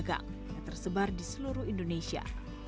pedagang yang tersebar di seluruh indonesia